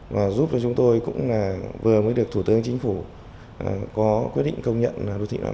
và giúp cho chúng tôi cũng là vừa mới được thủ tướng chính phủ có quyết định công nhận đối thị đoạn một